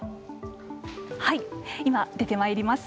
今、出てまいります。